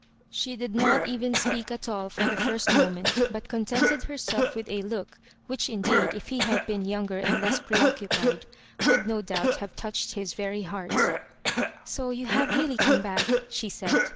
She did not even speak at all for the first moment, but contented herself with a look, which indeed, if he had been younger and less preoccupied, would no doubt have touched his very heart "So you have really come back," she said.